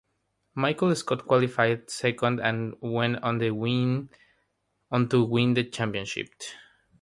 Michael Scott qualified second and went on to win the championship.